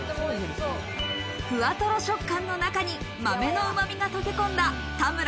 ふわとろ食感の中に豆のうま味が溶け込んだ田むら